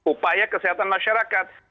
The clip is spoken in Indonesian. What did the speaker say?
upaya kesehatan masyarakat